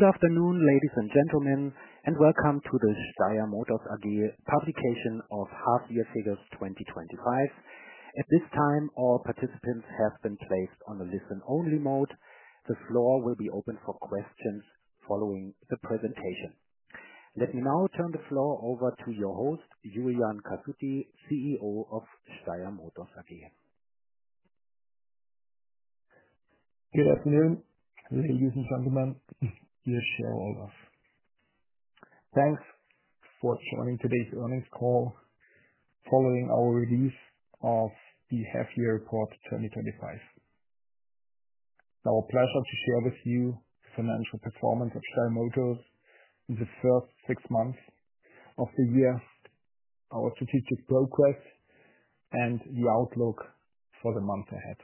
Good afternoon, ladies and gentlemen, and welcome to the Steyr Motors AG publication of Half Year Figures 2025. At this time, all participants have been placed on the listen-only mode. The floor will be open for questions following the presentation. Let me now turn the floor over to your host, Julian Cassutti, CEO of Steyr Motors AG. Good afternoon, ladies and gentlemen, dear shareholders. Thanks for joining today's earnings call following our release of the Half Year Report 2025. It's our pleasure to share with you the financial performance of Steyr Motors in the first six months of the year, our strategic progress, and your outlook for the month ahead.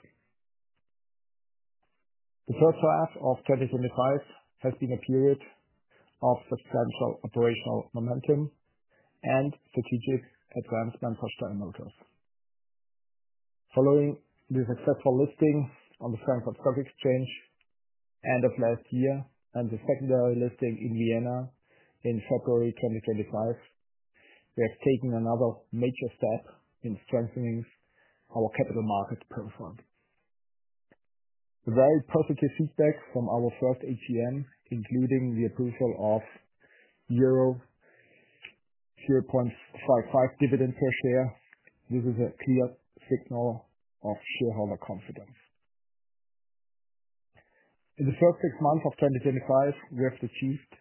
The first half of 2025 has been a period of substantial operational momentum and strategic advancement for Steyr Motors. Following the successful listing on the Frankfurt Stock Exchange end of last year and the secondary listing in Vienna in February 2025, we have taken another major step in strengthening our capital markets' performance. The growth perpetually sees back from our first AGM, including the approval of euro 0.55 dividends per share, gives us a clear signal of shareholder confidence. In the first six months of 2025, we have achieved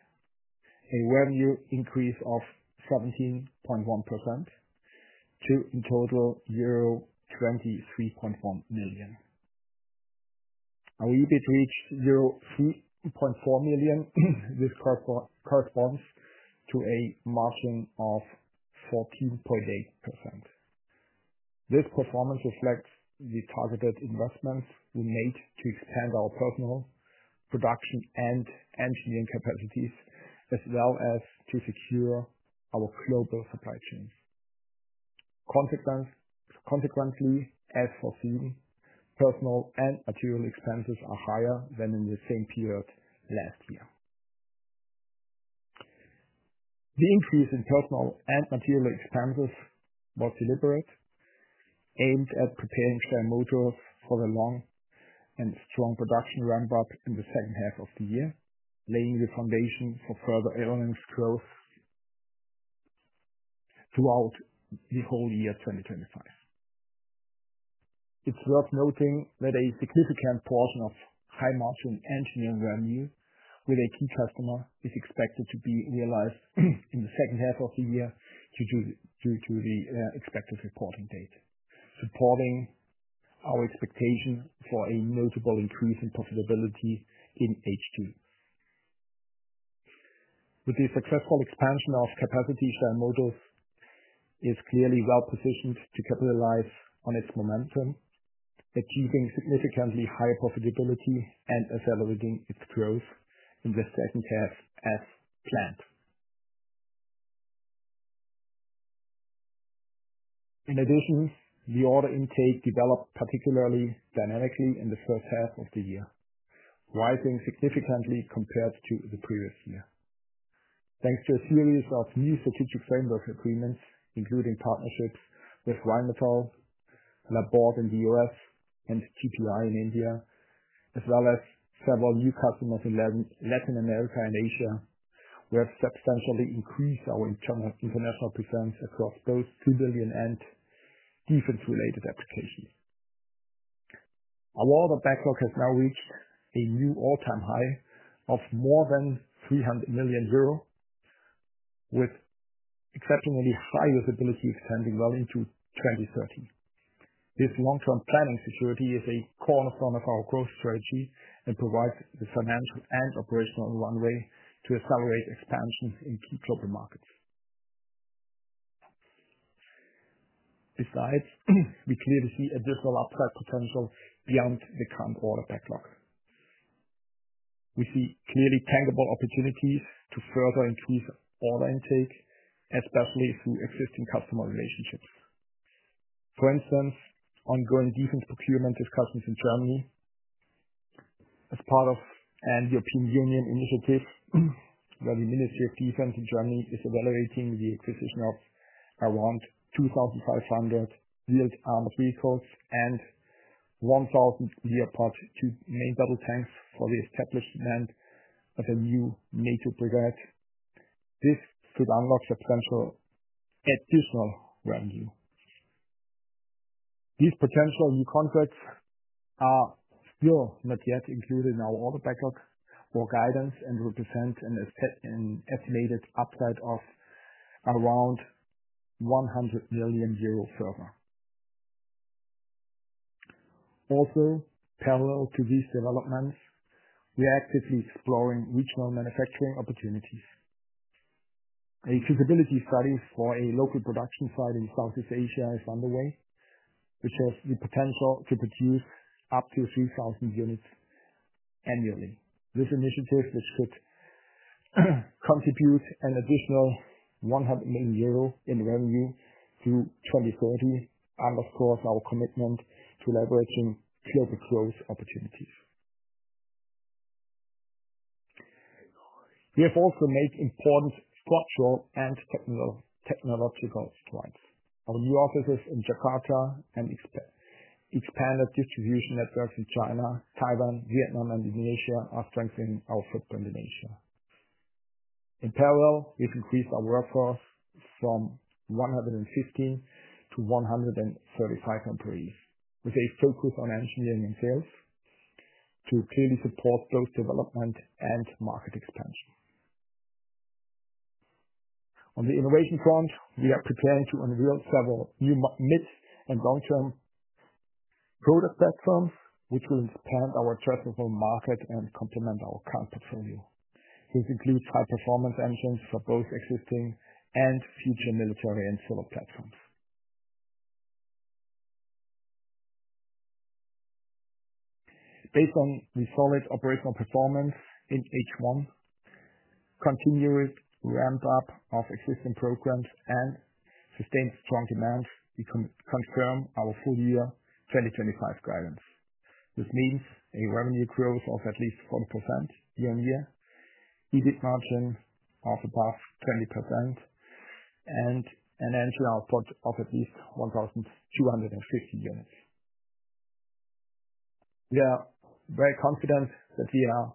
a revenue increase of 17.1% to in total euro 23.1 million. Our EBIT reached 3.4 million. This corresponds to a margin of 14.8%. This performance reflects the targeted investments we made to expand our personnel, production, and engineering capacities, as well as to secure our global supply chains. Consequently, as foreseen, personnel and material expenses are higher than in the same period last year. The increase in personnel and material expenses was deliberate, aimed at preparing Steyr Motors for a long and strong production run back in the second half of the year, laying the foundation for further earnings growth throughout the whole year 2025. It's worth noting that a significant portion of high-margin engineering revenue with a key customer is expected to be realized in the second half of the year due to the expected reporting date, supporting our expectations for a notable increase in profitability in HQ. With the successful expansion of capacity, Steyr Motors AG is clearly well positioned to capitalize on its momentum, achieving significantly higher profitability and accelerating its growth in the second half as planned. In addition, the order intake developed particularly dynamically in the first half of the year, rising significantly compared to the previous year. Thanks to a series of new strategic framework agreements, including partnerships with Rheinmetall, Laborde in U.S., and GPI in India, as well as several new customers in Latin America and Asia, we have substantially increased our international presence across those civilian and defense-related applications. Our order backlog has now reached a new all-time high of more than 300 million euro, with exceptionally high visibility expanding well into 2030. This long-term planning security is a cornerstone of our growth strategy and provides the financial and operational runway to accelerate expansion in key global markets. Besides, we clearly see additional upside potential beyond the current order backlog. We see clearly tangible opportunities to further increase order intake, especially through existing customer relationships. For instance, ongoing defense procurement discussions in Germany as part of a European Union initiative, where the Ministry of Defense in Germany is evaluating the existence of around 2,500 wheeled armored vehicles and 1,000 Leopard 2 main battle tanks for the establishment of a new NATO brigade. This could unlock substantial additional revenue. These potential new contracts are still not yet included in our order backlog for guidance and will present an estimated upside of around 100 million euro further. Also, parallel to these developments, we are actively exploring regional manufacturing opportunities. A feasibility study for a local production site in Southeast Asia is underway, which has the potential to produce up to 3,000 units annually. This initiative could contribute an additional 100 million euro in revenue to 2030, and of course, our commitment to leveraging global growth opportunity. We have also made important structural and technological strides. Our new offices in Jakarta and expanded distribution networks in China, Taiwan, Vietnam, and Indonesia are strengthening our footprint in Asia. In parallel, we've increased our workforce from 115 to 135 employees, with a focus on engineering and sales to clearly support those developments and market expansion. On the innovation front, we are preparing to unveil several new mid- and long-term product platforms, which will expand our addressable market and complement our current portfolio. These include high-performance engines for both existing and future military and solar platforms. Based on the solid operational performance in H1, continuous ramp-up of existing programs and sustained strong demands, we can confirm our full-year 2025 guidance. This means a revenue growth of at least 40% year-on-year, EBIT margin of above 20%, and an annual output of at least 1,250 units. We are very confident that we are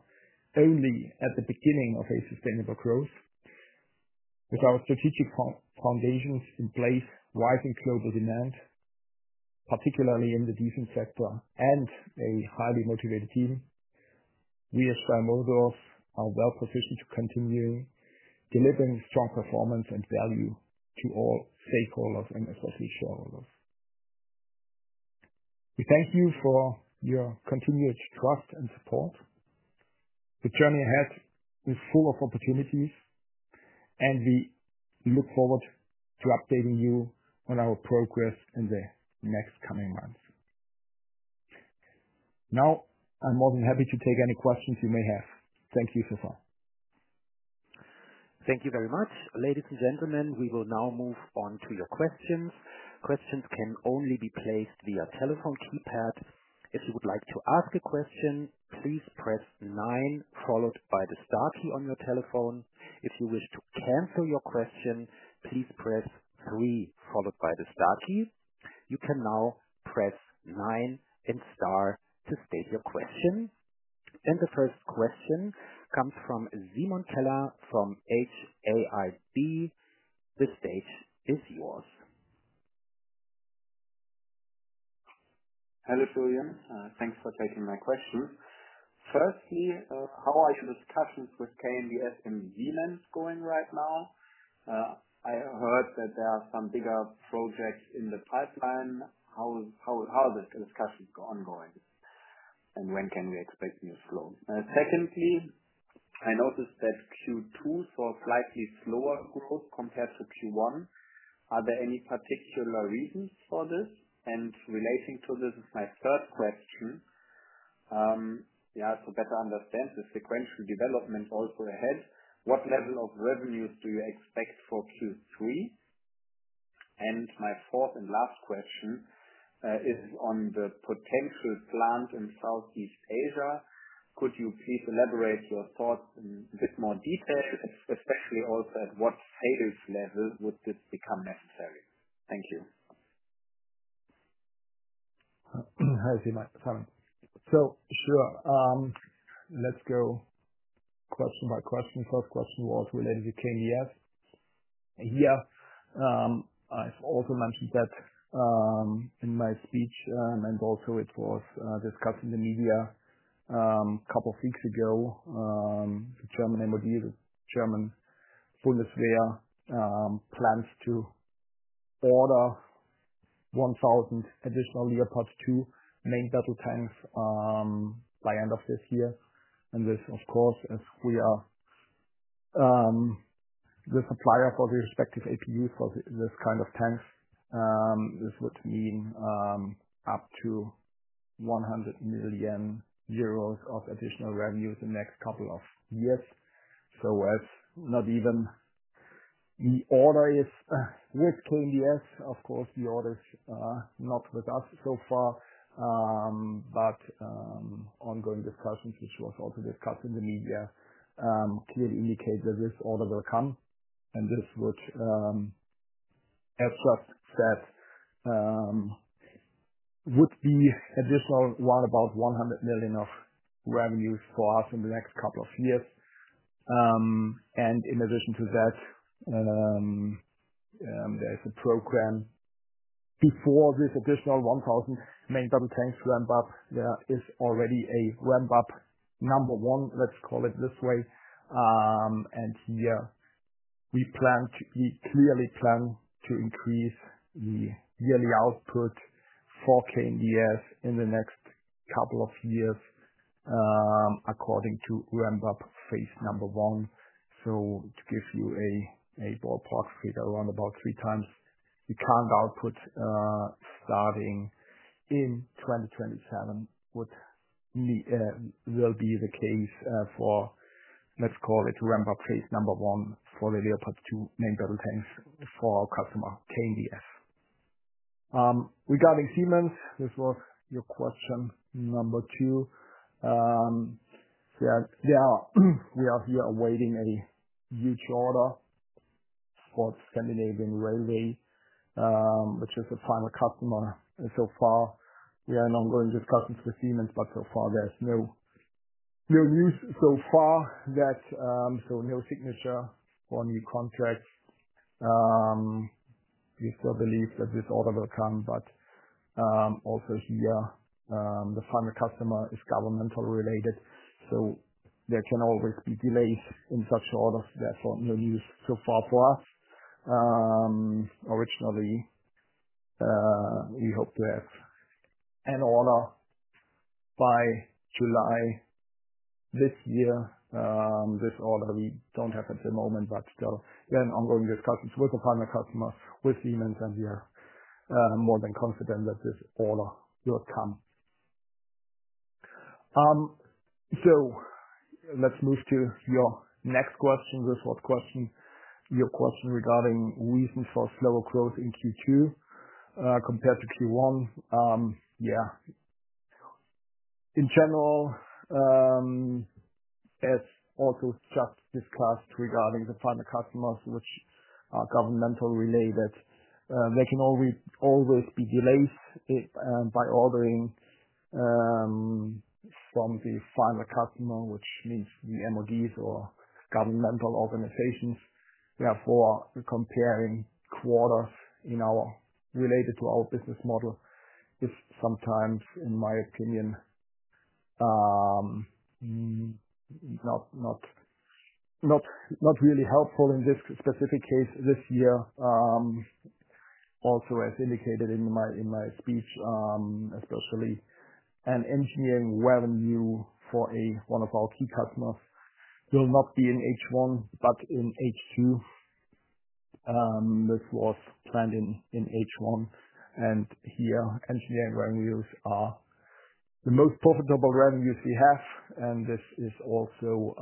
only at the beginning of a sustainable growth. With our strategic foundations in place, rising global demand, particularly in the defense sector, and a highly motivated team, we at Steyr Motors are well positioned to continue delivering strong performance and value to all stakeholders and associate shareholders. We thank you for your continued trust and support. The journey ahead is full of opportunities, and we look forward to updating you on our progress in the next coming months. Now, I'm more than happy to take any questions you may have. Thank you so far. Thank you very much, ladies and gentlemen. We will now move on to your questions. Questions can only be placed via telephone feedback. If you would like to ask a question, please press nine, followed by the star key on your telephone. If you wish to cancel your question, please press three, followed by the star key. You can now press nine and star to state your question. The first question comes from Simon Keller from HAIB. The stage is yours. Hello, Julian. Thanks for taking my question. Firstly, how are the discussions with KNDS and Siemens going right now? I heard that there are some bigger projects in the pipeline. How are the discussions ongoing? When can we expect new flow? Secondly, I noticed that Q2 saw a slightly slower growth compared to Q1. Are there any particular reasons for this? Relating to this is my third question. To better understand the sequence of developments also ahead, what level of revenues do you expect for Q3? My fourth and last question is on the potential plant in Southeast Asia. Could you please elaborate your thoughts a bit more deeper, especially also at what status level would this become? Thank you. Hi, Simon. Let's go first to my question. First question was related to KNDS. Here, I've also mentioned that in my speech, and also it was discussed in the media a couple of weeks ago, the German MOD, German Bundeswehr, plans to order 1,000 additional Leopard 2 main battle tanks by the end of this year. As we are the supplier for the respective auxiliary power unit for this kind of tanks, this would mean up to 100 million euros of additional revenue in the next couple of years. As not even the order is with KNDS, the orders are not with us so far. Ongoing discussions, which was also discussed in the media, clearly indicate that this order will come. This would be additional right about 100 million of revenues for us in the next couple of years. In addition to that, there is a program before this additional 1,000 main battle tanks ramp up. There is already a ramp up number one, let's call it this way. We plan to clearly plan to increase the yearly output for KNDS in the next couple of years, according to ramp up phase number one. To give you a ballpark figure, around about 3x the current output starting in 2027 will be the case for, let's call it, ramp up phase number one for the Leopard 2 main battle tanks for our customer, KNDS. Regarding Siemens, this was your question number two. We are here awaiting a huge order for the Scandinavian Railway, which is the final customer so far. We are in ongoing discussions with Siemens, but so far, there's no news so far, so no signature on new contracts. We still believe that this order will come, but also here, the final customer is governmental related. There can always be delays in such orders. Therefore, no news so far for us. Originally, we hoped to have an order by July this year. This order we don't have at the moment, but still, we are in ongoing discussions with the final customer, with Siemens, and we are more than confident that this order will come. Let's move to your next question, the fourth question. Your question regarding reason for slower growth in Q2 compared to Q1. In general, as also just discussed regarding the final customers, which are governmental related, there can always be delays by ordering from the final customer, which means the MODs or governmental organizations. Therefore, comparing quarters related to our business model is sometimes, in my opinion, not really helpful in this specific case this year. Also, as indicated in my speech, especially engineering revenue for one of our key customers will not be in H1, but in H2. This was planned in H1. Here, engineering revenues are the most profitable revenues we have. This is also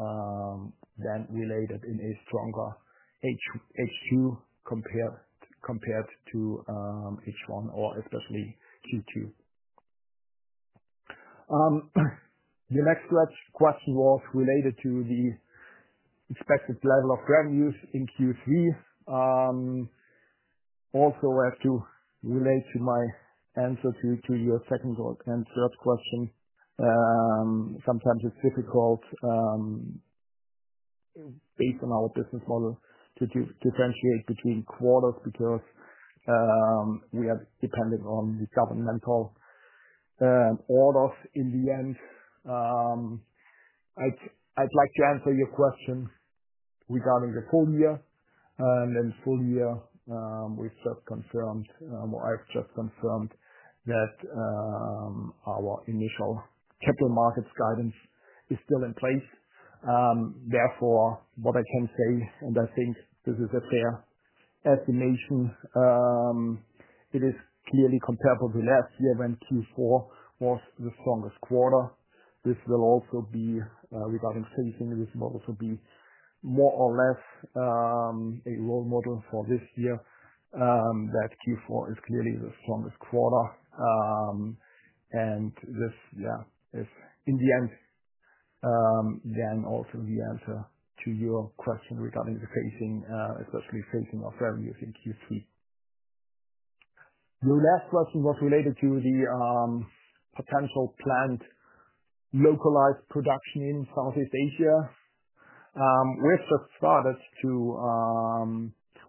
then related in a stronger H2 compared to H1, or especially Q2. Your next question was related to the expected level of revenues in Q3. I have to relate to my answer to your second and third question. Sometimes it's difficult based on our business model to differentiate between quarters because we are depending on the governmental orders in the end. I'd like to answer your question regarding the full year. I've just confirmed that our initial capital markets guidance is still in place. Therefore, what I can say, and I think this is a fair estimation, it is clearly comparable to last year when Q4 was the strongest quarter. This will also be, regarding phasing, more or less a role model for this year, that Q4 is clearly the strongest quarter. This is in the end, then also the answer to your question regarding the phasing, especially phasing of revenues in Q3. Your last question was related to the potential plant localized production in Southeast Asia. We've just started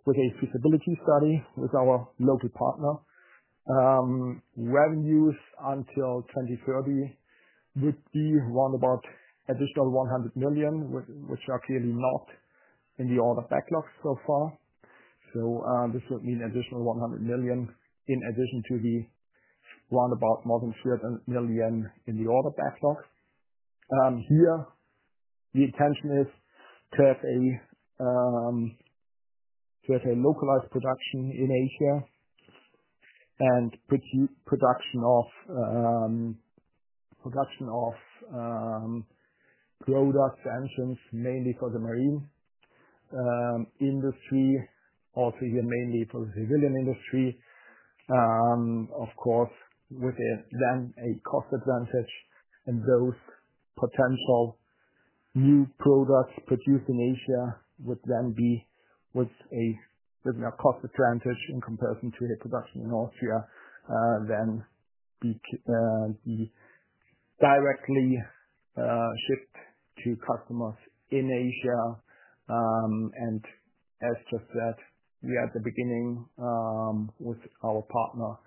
with a feasibility study with our local partner. Revenues until 2030 would be roundabout additional 100 million, which are clearly not in the order backlog so far. This would mean additional 100 million in addition to the roundabout more than 300 million in the order backlog. Here, the intention is to have a localized production in Asia and production of product engines, mainly for the marine industry, also here mainly for the civilian industry. Of course, then a cost advantage in those potential new products produced in Asia would then be with a similar cost advantage in comparison to the production in Austria, then directly shipped to customers in Asia. As just said, we are at the beginning with our partner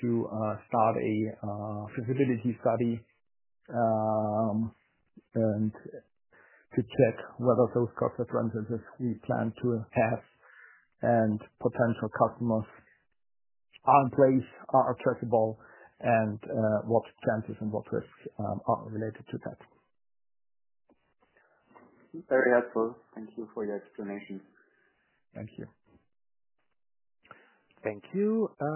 to start a feasibility study and to check whether those cost advantages we plan to have and potential customers are in place, are accessible, and what challenges and what risks are related to that. Very helpful. Thank you for your explanation. Thank you. Thank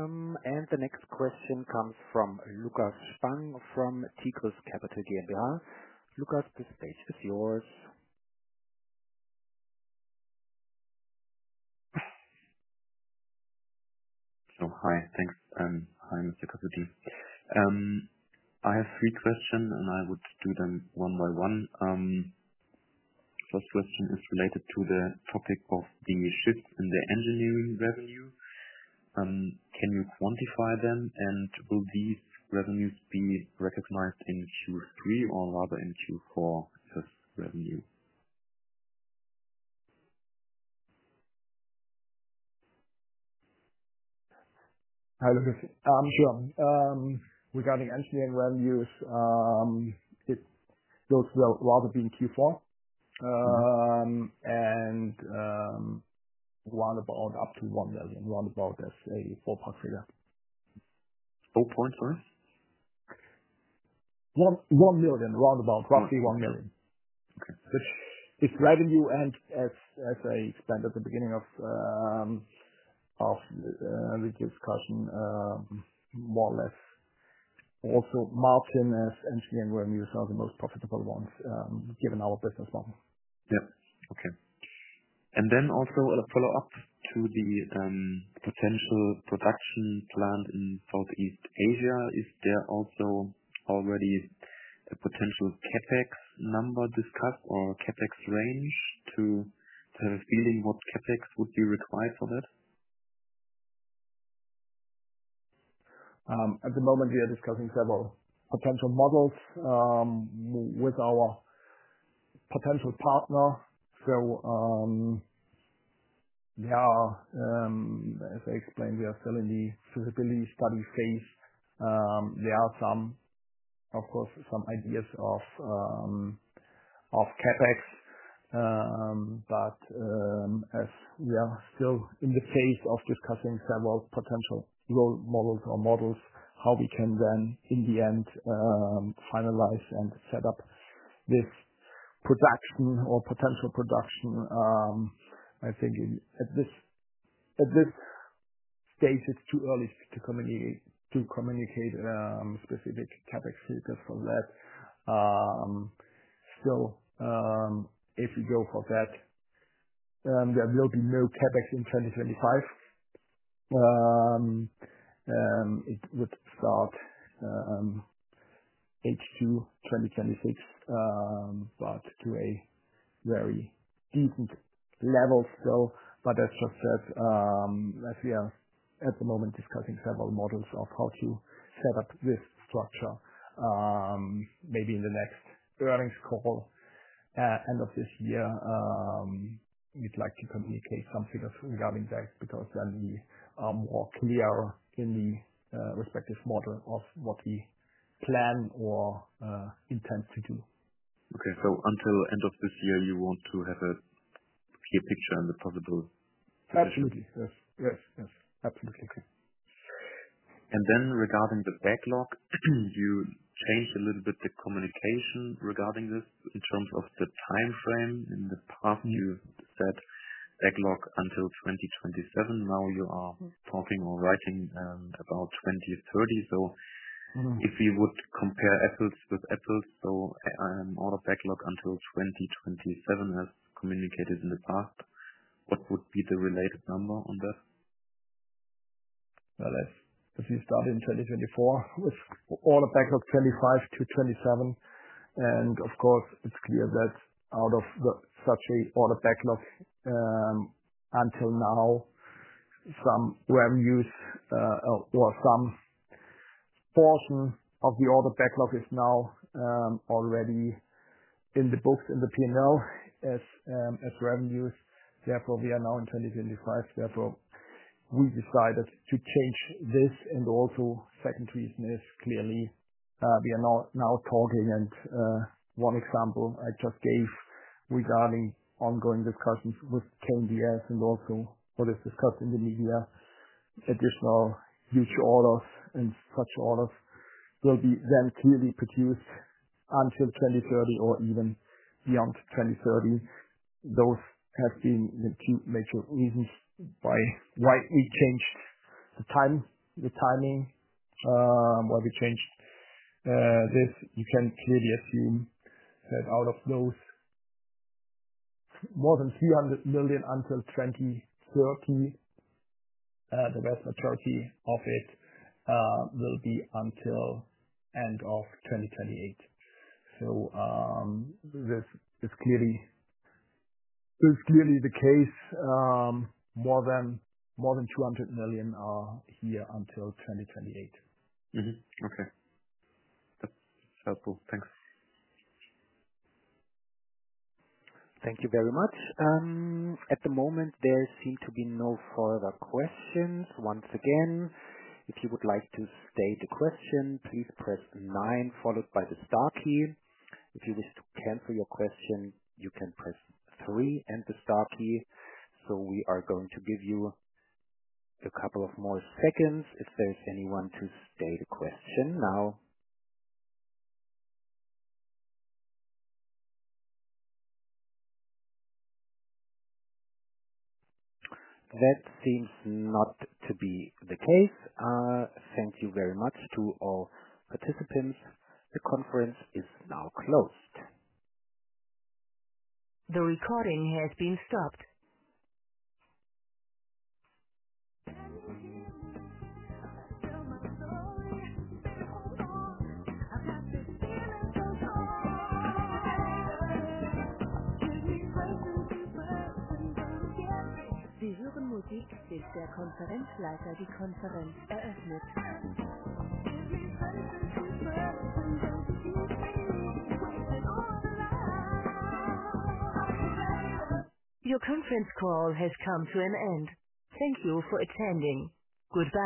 you. The next question comes from Lukas Spang from Tigris Capital. Lukas, please state yourself. Hi, thanks. I'm super happy. I have three questions, and I would do them one by one. First question is related to the topic of the shifts in the engineering revenue. Can you quantify them, and will these revenues be recognized in Q3 or rather in Q4 as revenue? Hi, Lukas. Sure. Regarding engineering revenues, it goes rather being Q4 and roundabout up to 1 million, roundabout EUR 0.84 per share. 4.4? 1 million, roundabout roughly 1 million. Okay. It's revenue, and as I explained at the beginning of the discussion, more or less, also margin as engineering revenues are the most profitable ones given our business model. Okay. Also, a follow-up to the potential production plant in Southeast Asia. Is there already a potential CapEx number discussed or CapEx range to have a feeling what CapEx would be required for that? At the moment, we are discussing several potential models with our potential partner. As I explained, we are still in the feasibility study phase. There are, of course, some ideas of CapEx, but as we are still in the phase of discussing several potential role models or models, how we can then, in the end, finalize and set up this production or potential production, I think at this stage it's too early to communicate specific CapEx figures for that. If we go for that, there will be no CapEx in 2025. It would start Q1 2026, but to a very decent level still. As I said, we are at the moment discussing several models of how to set up this structure. Maybe in the next earnings call at the end of this year, we'd like to communicate something regarding that because then we are more clear in the respective model of what we plan or intend to do. Until the end of this year, you want to have a picture and the possible. Absolutely. Yes, yes, yes. Absolutely. Regarding the backlog, you changed a little bit the communication regarding this in terms of the timeframe. In the past, you said backlog until 2027. Now you are talking or writing about 2030. If we would compare apples with apples, so an order backlog until 2027, as communicated in the past, what would be the related number on that? As we started in 2024 with order backlog 25 million-27 million, it's clear that out of such an order backlog until now, some revenues or some portion of the order backlog is now already in the books in the P&L as revenues. Therefore, we are now in 2025. We decided to change this. The second reason is clearly we are now talking, and one example I just gave regarding ongoing discussions with KNDS and also what is discussed in the media, additional future orders, and such orders will be then clearly produced until 2030 or even beyond 2030. Those have been the two major reasons why we changed the timing, the timing where we changed this. You can clearly assume that out of those more than 300 million until 2030, the rest of EUR 30 million of it will be until the end of 2028. This is clearly the case. More than 200 million are here until 2028. Okay, that's helpful. Thanks. Thank you very much. At the moment, there seems to be no further questions. Once again, if you would like to state a question, please press nine, followed by the star key. If you wish to cancel your question, you can press three and the star key. We are going to give you a couple of more seconds if there's anyone to state a question now. That seems not to be the case. Thank you very much to all participants. The conference is now closed. The recording has been stopped. Your conference call has come to an end. Thank you for attending. Goodbye.